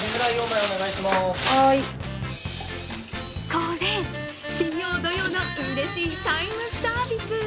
これ、金曜・土曜のうれしいタイムサービス。